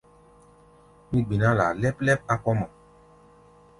Mí gbiná laa lɛ́p-lɛ́p á kɔ̧́ mɔ.